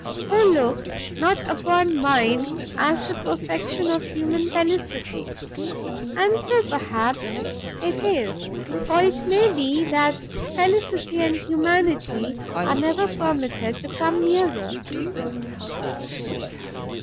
Who looks not upon mine as the perfection of human felicity? And so, perhaps, it is, for it may be that Felicity and Humanity are never permitted to come nearer."